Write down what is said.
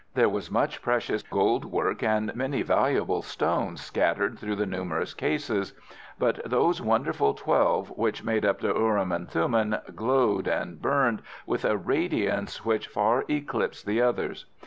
There was much precious gold work and many valuable stones scattered through the numerous cases, but those wonderful twelve which made up the urim and thummim glowed and burned with a radiance which far eclipsed the others.